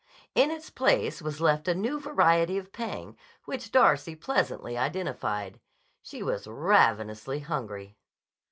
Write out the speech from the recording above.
In its place was left a new variety of pang which Darcy pleasantly identified. She was ravenously hungry.